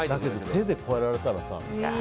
手でこうやられたらさ。